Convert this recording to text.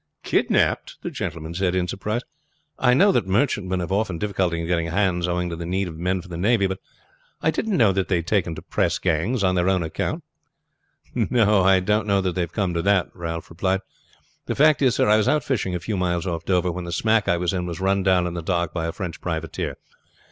"Kidnapped!" the gentleman said in surprise. "I know that merchantmen have often difficulty in getting hands owing to the need of men for the navy, but I did not know that they had taken to press gangs on their own account." "No, I don't know that they have come to that," Ralph replied. "The fact is, sir, I was out fishing a few miles off Dover, when the smack I was in was run down in the dark by a French privateer.